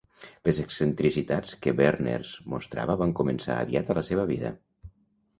Les excentricitats que Berners mostrava van començar aviat a la seva vida.